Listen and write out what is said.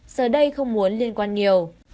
giờ đây không muốn liên quan nhiều